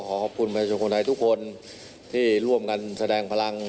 ขอขอบคุณประชาชนคนไทยทุกคนที่ร่วมกันแสดงพลัง